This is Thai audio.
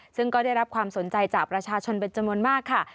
ซึ่งก็ได้รับความสนใจจากประชาชนเป็นจำนวนมากค่ะ